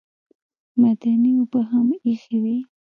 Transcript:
معدني اوبه هم ایښې وې.